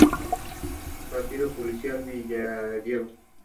Entre ellos cabe mencionar al músico docto Pedro Humberto Allende.